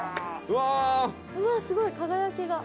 うわっすごい輝きが。